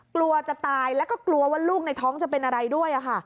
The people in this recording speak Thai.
กลัวจะตายแล้วก็กลัวว่าลูกในท้องจะเป็นอะไรด้วย